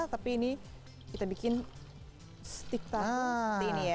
tapi ini kita bikin stick type seperti ini ya